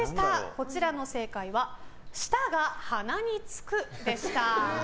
こちらの正解は舌が鼻につく、でした。